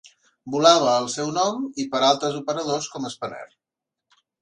Volava al seu nom i per a altres operadors com Spanair.